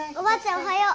おはよう。